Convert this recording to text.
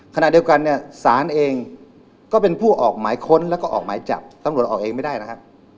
ขณะเดียวกันเนี่ยศาลเองก็เป็นผู้ออกหมายค้นแล้วก็ออกหมายจับตำรวจออกเองไม่ได้นะครับ